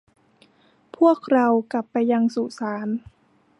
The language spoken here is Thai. พวกเรากลับไปยังสุสาน